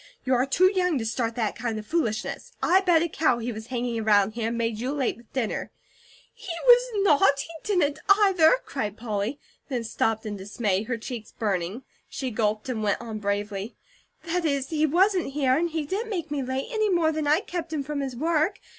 You are too young to start that kind of foolishness. I bet a cow he was hanging around here, and made you late with dinner." "He was not! He didn't either!" cried Polly, then stopped in dismay, her cheeks burning. She gulped and went on bravely: "That is, he wasn't here, and he didn't make ME late, any more than I kept HIM from his work.